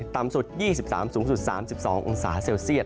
ต่ำสุด๒๓สูงสุด๓๒องศาเซลเซียต